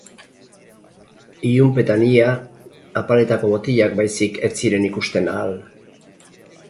Ilunpetan ia, apaletako botilak baizik ez ziren ikusten ahal.